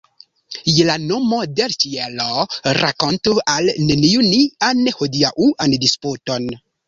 Je la nomo de l' ĉielo, rakontu al neniu nian hodiaŭan disputon!